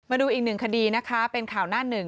มาดูอีกหนึ่งคดีนะคะเป็นข่าวหน้าหนึ่ง